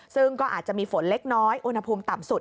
ซึ่งก็อาจจะมีฝนเล็กน้อยอุณหภูมิต่ำสุด